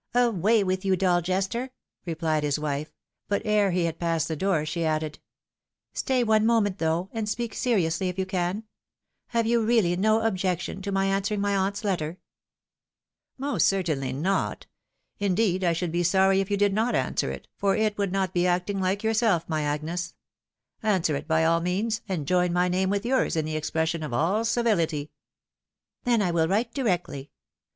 " Away with you, dull jester !" replied his wife ; but ere he had passed the door she added, " Stay one moment, though, and speak seriously, if you can. Have you really no objection to my answering my aunt's letter ?" "Most certainlynot. Indeed I should be sorry if you did not answer it, for it would not be acting hke yourself, my Agnes. Answer it by all means, and join my name with youi s in the expression of all civility." " Then I will write directly.